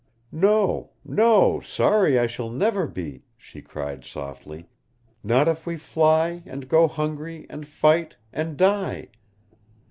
"No, no sorry I shall never be," she cried softly. "Not if we fly, and go hungry, and fight and die.